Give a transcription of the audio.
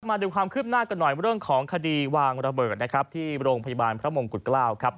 มาดูความคืบหน้ากันหน่อยเรื่องของคดีวางระเบิดนะครับที่โรงพยาบาลพระมงกุฎเกล้าครับ